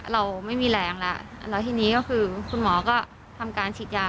เราไม่มีแรงแล้วแล้วทีนี้ก็คือคุณหมอก็ทำการฉีดยา